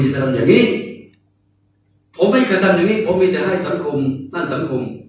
อย่าไปทำอย่างงี้ผมไม่เคยทำอย่างงี้ผมมีแต่ให้สังคมนั่นสังคม